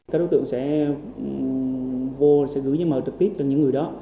các đối tượng sẽ vô sẽ gửi giá mở trực tiếp cho những người đó